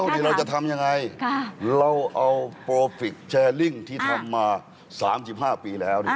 ดิฉันเหรอคะไม่